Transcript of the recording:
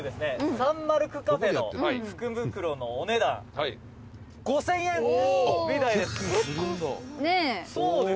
サンマルクカフェの福袋のお値段５０００円みたいです」